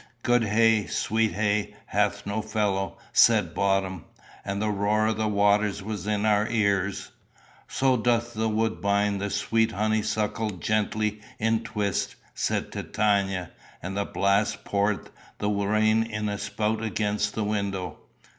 "Good hay, sweet hay, hath no fellow," said Bottom; and the roar of the waters was in our ears. "So doth the woodbine the sweet honeysuckle Gently entwist," said Titania; and the blast poured the rain in a spout against the window.